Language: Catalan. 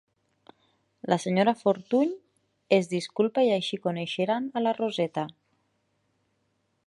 La senyora Fortuny, es disculpa i així coneixeran a la Roseta.